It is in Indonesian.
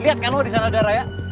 liat kan lo di sana ada raya